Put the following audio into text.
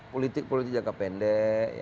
politik politik jangka pendek